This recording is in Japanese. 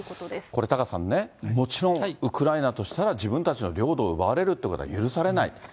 これ、タカさんね、もちろんウクライナとしたら、自分たちの領土を奪われるということは許されない。